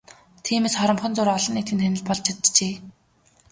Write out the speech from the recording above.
Тиймээс хоромхон зуур олон нийтийн танил болж чаджээ.